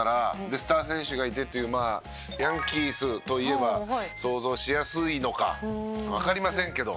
でスター選手がいてというまあヤンキースといえば想像しやすいのかわかりませんけど。